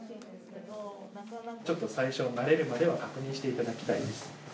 最初慣れるまでは確認していただきたいです。